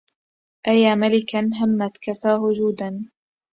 أيا ملكا همت كفاه جودا